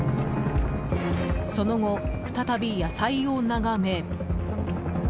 その後、再び野菜を眺め。